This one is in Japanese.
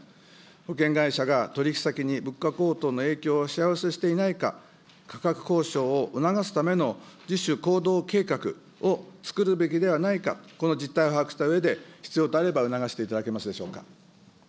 保険会社が取り引き先に物価高騰の影響をしわ寄せしていないか、価格交渉を促すための自主行動計画を作るべきではないか、この実態を把握したうえで、必要とあれば促していただけますでしょうか。